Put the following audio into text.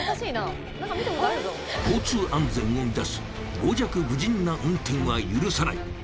交通安全を乱す傍若無人な運転は許さない！